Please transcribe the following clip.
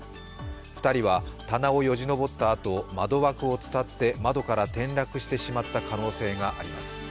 ２人は棚をよじ登ったあと、窓枠を伝って窓から転落してしまった可能性があります。